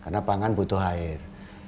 karena pangan butuh air